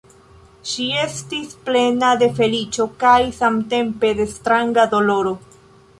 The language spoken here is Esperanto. Ŝi estis plena de feliĉo kaj samtempe de stranga doloro.